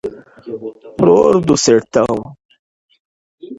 Flor do Sertão